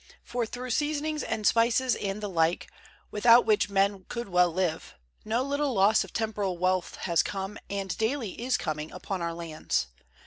For through seasonings and spices and the like, without which men could well live, no little loss of temporal wealth has come and daily is coming upon our lands.